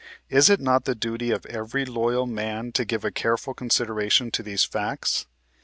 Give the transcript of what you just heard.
Is it not the duty of every loyal man to give a careful consideration to these facts